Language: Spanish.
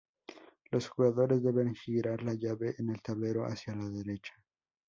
Los jugadores deben girar la llave en el tablero hacia la derecha.